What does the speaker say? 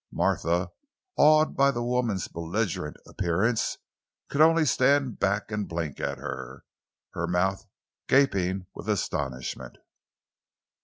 Martha, awed by the woman's belligerent appearance, could only stand and blink at her, her mouth gaping with astonishment.